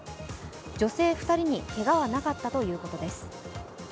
女性２人にけがはなかったということです。